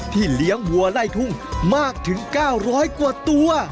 เลี้ยงวัวไล่ทุ่งมากถึง๙๐๐กว่าตัว